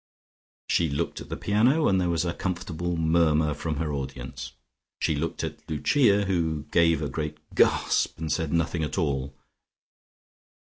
She looked at the piano, and there was a comfortable murmur from her audience. She looked at Lucia, who gave a great gasp, and said nothing at all.